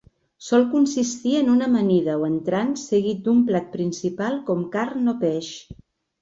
Sol consistir en una amanida o entrant seguit d'un plat principal com carn o peix.